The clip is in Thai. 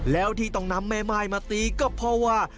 แล้วที่ต้องนำแม่ไม้มาตีก็เพราะว่า